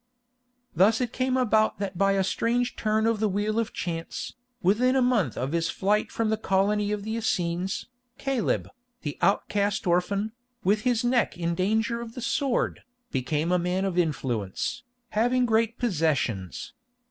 Thus it came about that by a strange turn of the wheel of chance, within a month of his flight from the colony of the Essenes, Caleb, the outcast orphan, with his neck in danger of the sword, became a man of influence, having great possessions.